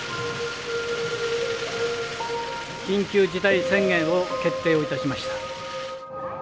緊急事態宣言を決定をいたしました。